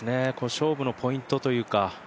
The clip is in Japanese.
勝負のポイントというか。